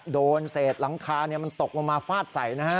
โดนเศษหลังคามันตกลงมาฟาดใส่นะฮะ